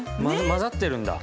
混ざってるんだ？